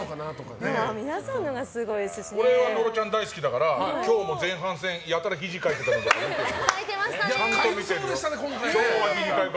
俺は野呂ちゃん大好きだから今日も前半戦やたら、ひじかいてたの見てるよ。